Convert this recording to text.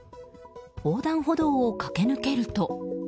横断歩道を駆け抜けると。